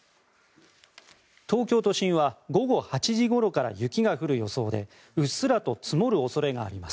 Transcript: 東京都心は午後８時ごろから雪が降る予想でうっすらと積もる恐れがあります。